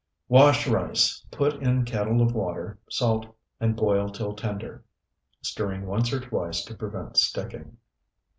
Wash rice, put in kettle of water, salt, and boil till tender, stirring once or twice to prevent sticking.